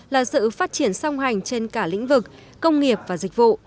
là sự phát triển song hành trên cả lĩnh vực công nghiệp và dịch vụ